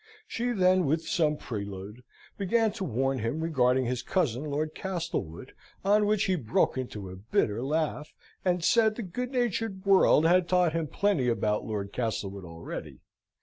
She then with some prelude, began to warn him regarding his cousin, Lord Castlewood; on which he broke into a bitter laugh, and said the good natured world had told him plenty about Lord Castlewood already.